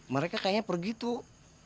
mereka kayaknya pergi tuh